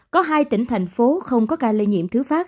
có hai tỉnh thành phố không có ca lây nhiễm thứ phát